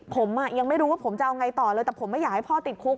ผมยังไม่รู้ว่าผมจะเอาไงต่อเลยแต่ผมไม่อยากให้พ่อติดคุก